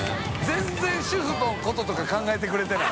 全然主婦のこととか考えてくれてない。